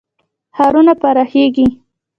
ښارونه پراخیږي.